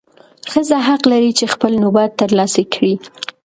ښځه حق لري چې خپل نوبت ترلاسه کړي.